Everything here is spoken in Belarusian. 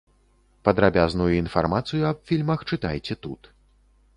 Падрабязную інфармацыю аб фільмах чытайце тут.